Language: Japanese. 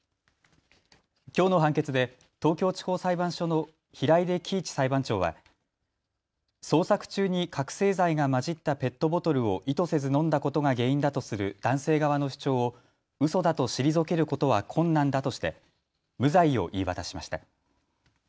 きょうの判決で東京地方裁判所の平出喜一裁判長は捜索中に覚醒剤が混じったペットボトルを意図せず飲んだことが原因だとする男性側の主張をうそだと退けることは困難だとして無罪を言い渡しました。